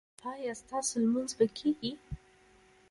ایا ستاسو لمونځ به کیږي؟